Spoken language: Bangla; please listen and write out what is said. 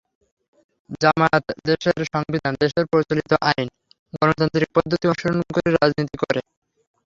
জামায়াত দেশের সংবিধান, দেশের প্রচলিত আইন, গণতান্ত্রিক পদ্ধতি অনুসরণ করে রাজনীতি করে।